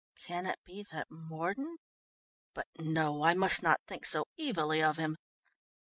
Can it be that Mordon but no, I must not think so evilly of him."